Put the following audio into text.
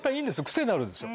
クセになるんですよ